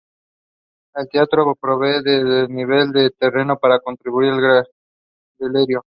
El teatro aprovechó el desnivel de terreno para construir el graderío.